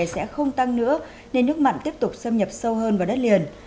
sẽ không tăng nữa nên nước mặn tiếp tục xâm nhập sâu hơn vào đất liền